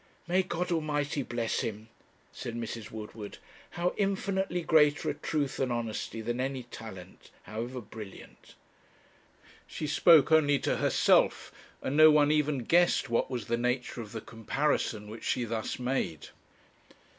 'May God Almighty bless him!' said Mrs. Woodward. 'How infinitely greater are truth and honesty than any talent, however brilliant!' She spoke only to herself and no one even guessed what was the nature of the comparison which she thus made.